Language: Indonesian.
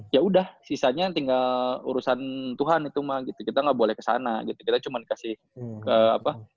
ya udah sisanya tinggal urusan tuhan itu mah gitu kita nggak boleh kesana gitu kita cuman kasih apa